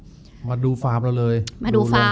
คุณมาดูฟาร์มหรอเลยดูลงข้อเท่าไหร่